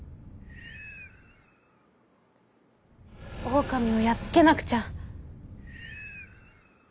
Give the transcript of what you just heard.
「オオカミをやっつけなくちゃ」。